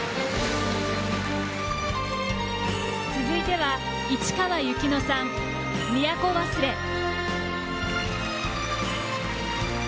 続いては市川由紀乃さん「都わすれ」。